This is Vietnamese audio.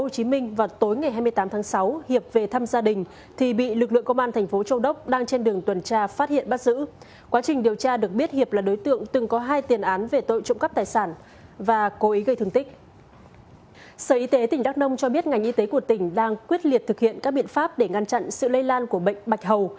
sở y tế tỉnh đắk nông cho biết ngành y tế của tỉnh đang quyết liệt thực hiện các biện pháp để ngăn chặn sự lây lan của bệnh bạch hầu